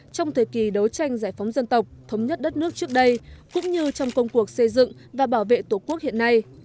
trong thời kỳ đấu tranh giải phóng dân tộc thống nhất đất nước trước đây cũng như trong công cuộc xây dựng và bảo vệ tổ quốc hiện nay